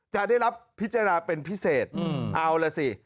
จะได้รับพิจารณาเป็นพิเศษเอาล่ะสิ